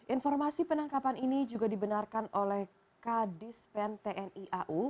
informasi penangkapan ini juga dibenarkan oleh kadispen tni au